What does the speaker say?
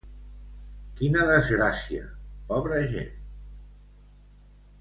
Quina desgràcia, pobra gent!